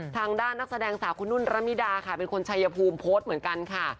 ทางด้านนักแสดงสาวคุณนุ่นระมิดาค่ะเป็นคนชัยภูมิโพสต์เหมือนกันค่ะ